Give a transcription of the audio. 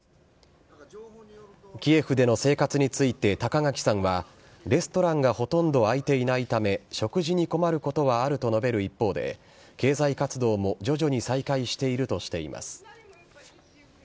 キエフでの生活について、高垣さんは、レストランがほとんど開いていないため、食事に困ることはあると述べる一方で、経済活動も徐々に再開しているとしています。